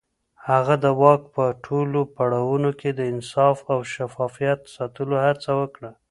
هغه د واک په ټولو پړاوونو کې د انصاف او شفافيت ساتلو هڅه وکړه.